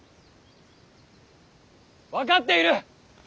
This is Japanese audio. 分かっている。